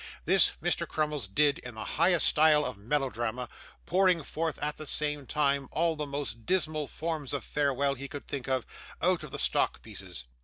This Mr. Crummles did in the highest style of melodrama, pouring forth at the same time all the most dismal forms of farewell he could think of, out of the stock pieces.